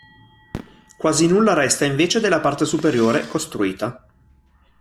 Quasi nulla resta invece della parte superiore, costruita.